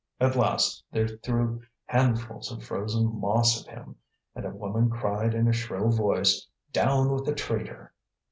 At last they threw handfuls of frozen moss at him, and a woman cried in a shrill voice: "Down with the traitor!"